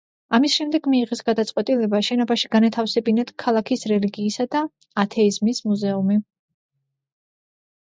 ამის შემდეგ მიიღეს გადაწყვეტილება შენობაში განეთავსებინათ ქალაქის რელიგიისა და ათეიზმის მუზეუმი.